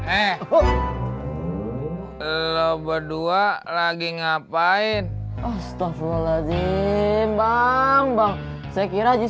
eh lo berdua lagi ngapain astaghfirullahaladzim bang bang saya kira di